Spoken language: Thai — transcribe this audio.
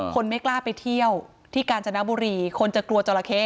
คนไม่กล้าไปเที่ยวที่กาญจนบุรีคนจะกลัวจราเข้